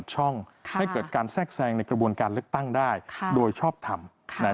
ช่องให้เกิดการแทรกแทรงในกระบวนการเลือกตั้งได้โดยชอบทำ